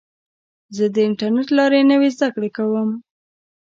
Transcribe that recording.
زه د انټرنیټ له لارې نوې زده کړه کوم.